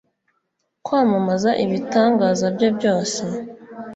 kwamamaza ibitangaza bye byose